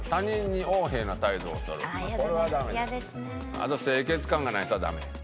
あと清潔感がない人はダメ？